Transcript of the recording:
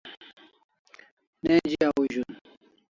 Neji au zun